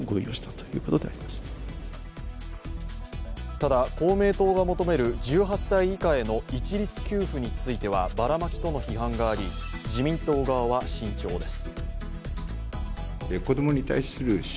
ただ、公明党が求める１８歳以下への一律給付についてはバラマキとの批判があり自民党側は慎重です。